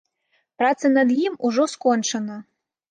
Праца над ім ужо скончана.